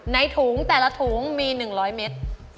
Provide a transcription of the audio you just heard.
ในถุงแต่ละถุงมี๑๐๐เมตร